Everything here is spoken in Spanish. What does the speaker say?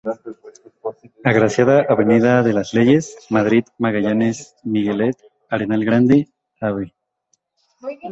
Agraciada, Avda de las Leyes, Madrid, Magallanes, Miguelete, Arenal Grande, Av.